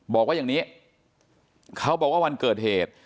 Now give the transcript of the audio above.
บอกว่าอย่างนี้เขาบอกว่าวันเกิดเหตุ